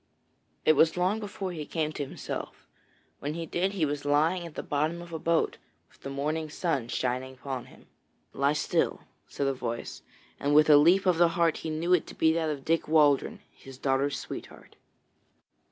It was long before he came to himself. When he did, he was lying at the bottom of a boat, with the morning sun shining upon him. 'Lie still,' said a voice, and with a leap of the heart he knew it to be that of Dick Waldron, his daughter's sweetheart.